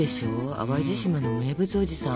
淡路島の名物おじさん。